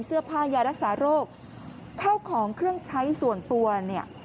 เสื้อผ้ายารักษาโรคเข้าของเครื่องใช้ส่วนตัวเนี่ย